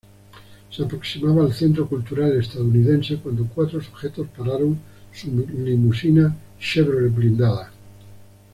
Se aproximaba al centro cultural estadounidense cuando cuatro sujetos pararon su limusina Chevrolet blindada.